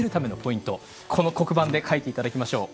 この黒板で書いていただきましょう。